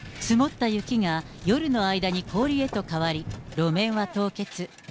積もった雪が夜の間に氷へと変わり、路面は凍結。